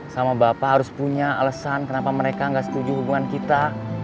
sama bapak harus punya alasan kenapa mereka nggak setuju hubungan kita